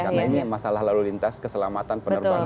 karena ini masalah lalu lintas keselamatan penerbangan